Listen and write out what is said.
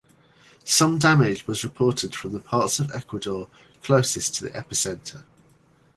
Some damage was reported from the parts of Ecuador closest to the epicenter.